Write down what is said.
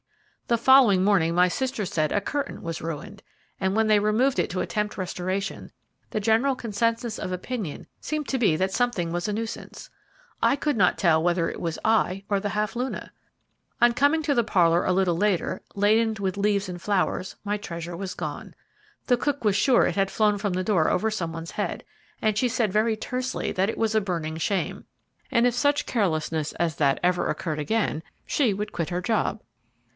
The following morning my sisters said a curtain was ruined, and when they removed it to attempt restoration, the general consensus of opinion seemed to be that something was a nuisance, I could not tell whether it was I, or the Half luna. On coming to the parlour a little later, ladened with leaves and flowers, my treasure was gone. The cook was sure it had flown from the door over some one's head, and she said very tersely that it was a burning shame, and if such carelessness as that ever occurred again she would quit her job.